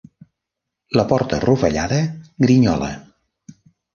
La porta rovellada grinyola.